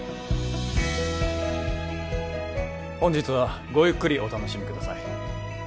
本日はごゆっくりお楽しみください